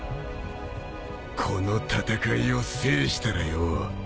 この戦いを制したらよぉ。